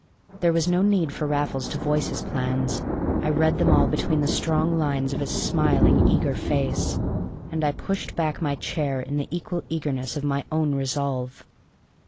There was no need for Raffles to voice his plans. I read them all between the strong lines of his smiling, eager face. And I pushed back my chair in the equal eagerness of my own resolve.